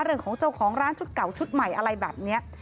เรื่องของเจ้าของร้านชุดเก่าชุดใหม่อะไรแบบนี้